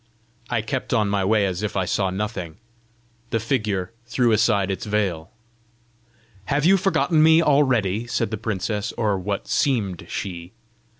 I kept on my way as if I saw nothing. The figure threw aside its veil. "Have you forgotten me already?" said the princess or what seemed she.